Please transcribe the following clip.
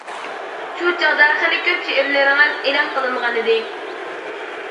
شۇ چاغدا خېلى كۆپ شېئىرلىرىڭىز ئېلان قىلىنغانىدى.